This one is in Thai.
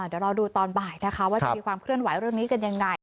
เดี๋ยวรอดูตอนบ่ายนะคะว่าจะมีความเคลื่อนไหวเรื่องนี้กันยังไง